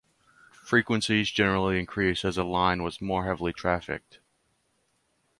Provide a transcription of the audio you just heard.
Frequencies generally increased as the line was more heavily trafficked.